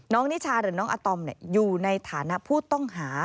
นิชาหรือน้องอาตอมอยู่ในฐานะผู้ต้องหา